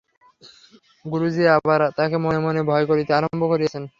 গুরুজি আবার তাকে মনে মনে ভয় করিতে আরম্ভ করিয়াছেন।